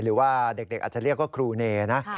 หรือว่าเด็กอาจจะเรียกว่าครูเนนะ